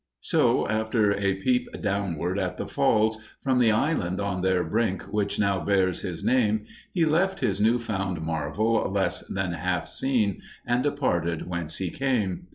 So, after a peep downward at the Falls, from the island on their brink which now bears his name, he left his new found marvel less than half seen, and departed whence he came.